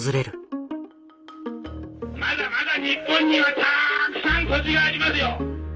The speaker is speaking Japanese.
まだまだ日本にはたくさん土地がありますよ。